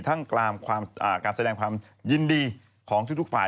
การแสดงความยินดีของทุกฝ่าย